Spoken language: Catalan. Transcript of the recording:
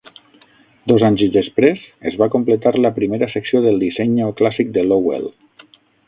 Dos anys després, es va completar la primera secció del disseny neoclàssic de Lowell.